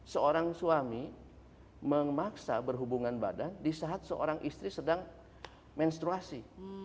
seorang suami memaksa berhubungan badan di saat seorang istri sedang menstruasi